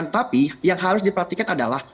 tapi yang harus diperhatikan adalah